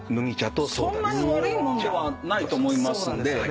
そんなに悪いもんではないと思いますので。